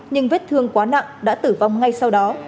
nhưng vết thương quá nặng đã tử vong ngay sau đó